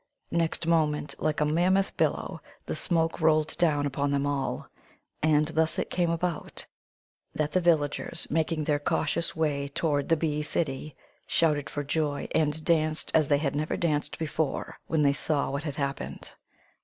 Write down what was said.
Next moment, like a mammoth billow, the smoke rolled down upon them all. And thus it came about that the villagers, making their cautious way toward the bee city, shouted for joy and danced as they had never danced before, when they saw what had happened.